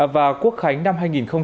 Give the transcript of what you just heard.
và quốc khánh năm hai nghìn hai mươi hai